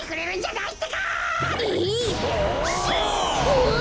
うわ！